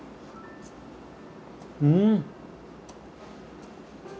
うん。